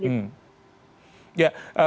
tentu saja mas